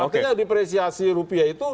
artinya dipresiasi rupiah itu